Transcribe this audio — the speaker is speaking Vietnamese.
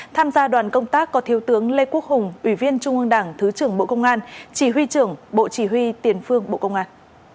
tham gia đoàn công tác có thiếu tướng lê quốc hùng ủy viên trung ương đảng thứ trưởng bộ công an chỉ huy trưởng bộ chỉ huy tiền phương bộ công an